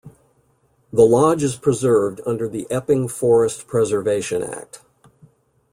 The lodge is preserved under the Epping Forest Preservation Act.